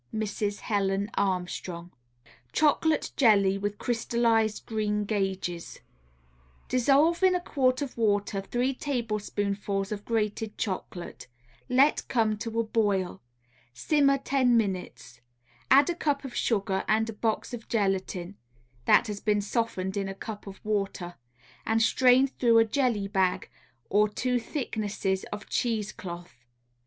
Mrs. Helen Armstrong. CHOCOLATE JELLY WITH CRYSTALLIZED GREEN GAGES Dissolve in a quart of water three tablespoonfuls of grated chocolate; let come to a boil; simmer ten minutes; add a cup of sugar and a box of gelatine (that has been softened in a cup of water) and strain through a jelly bag or two thicknesses of cheese cloth.